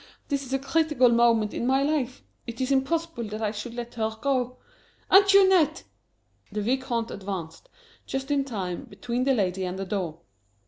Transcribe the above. This is a critical moment in my life! It is impossible that I should let her go. Antoinette!" The Vicomte advanced, just in time, between the lady and the door.